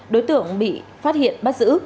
đối tượng bị phát hiện bắt giữ